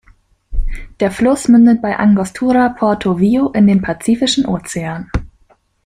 Der Fluss mündet bei "Angostura Porto Viejo" in den Pazifischen Ozean.